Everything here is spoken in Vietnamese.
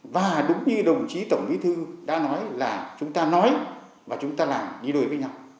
và đúng như đồng chí tổng bí thư đã nói là chúng ta nói và chúng ta làm đi đôi với nhau